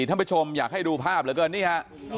ท่านผู้ชมอยากให้ดูภาพเหลือเกินนี่ฮะ